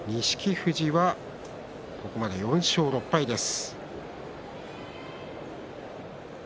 富士はここまで４勝６敗です。